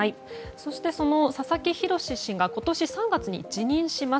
その佐々木宏氏が今年３月に辞任します。